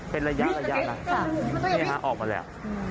เป็นระยะออกมาแล้ว